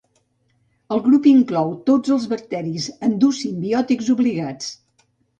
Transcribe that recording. El grup inclou tots els bacteris endosimbiòtics obligats.